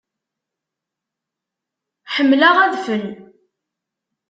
Ḥemmleɣ adfel.